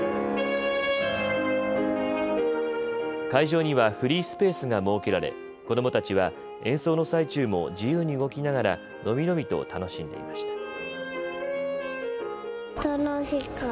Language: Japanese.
会場にはフリースペースが設けられ、子どもたちは演奏の最中も自由に動きながら伸び伸びと楽しんでいました。